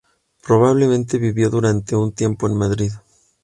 Probablemente vivió durante un tiempo en Madrid.